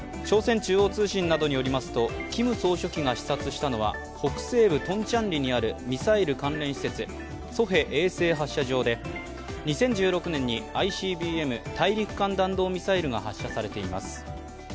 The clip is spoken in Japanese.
朝鮮中央通信などによりますとキム総書記が視察したのは北西部トンチャンリにあるミサイル関連施設ソヘ衛星発射場で、２０１６年にＩＣＢＭ＝大陸間弾道ミサイルが発射されています。